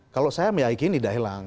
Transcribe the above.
kalau saya meyakini tidak hilang